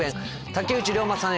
竹内涼真さん